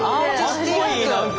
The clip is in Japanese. かっこいい何か。